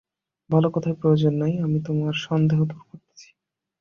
ভাল কথায় প্রয়োজন নাই, আমি তোমার সন্দেহ দূর করিতেছি।